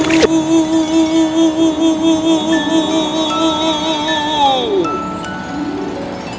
ikan ajaib bisa dengar aku